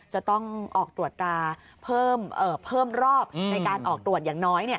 จะต้องออกตรวจตราเพิ่มรอบในการออกตรวจอย่างน้อย